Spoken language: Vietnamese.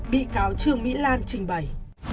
bị cáo trương mỹ lan trình bày